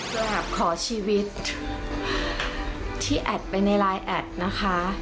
อยากขอชีวิตที่แอดไปในไลน์แอดนะคะ